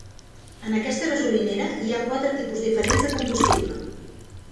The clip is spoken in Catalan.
En aquesta gasolinera hi ha quatre tipus diferents de combustible.